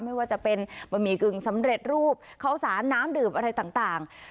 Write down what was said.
ไม่ว่าจะเป็นบะหมี่กึ่งสำเร็จรูปข้าวสารน้ำดื่มอะไรต่าง